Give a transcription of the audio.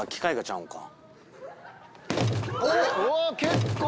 うわ結構。